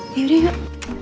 yuk yuk yuk